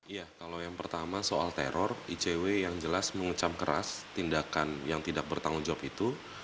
iya kalau yang pertama soal teror icw yang jelas mengecam keras tindakan yang tidak bertanggung jawab itu